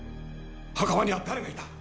墓場には誰がいた？